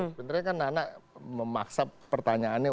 sebenarnya kan nana memaksa pertanyaannya